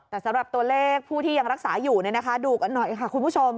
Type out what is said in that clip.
แต่สำหรับตัวเลขผู้ที่ยังรักษาอยู่ดูกันหน่อยค่ะคุณผู้ชม